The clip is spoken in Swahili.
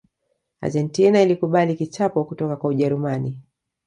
argentina ilikubali kichapo kutoka kwa ujerumani